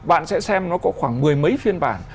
bạn sẽ xem nó có khoảng một mươi mấy phiên bản